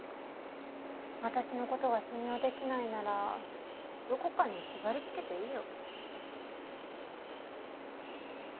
私のことが信用できないならどこかに縛りつけていいよ。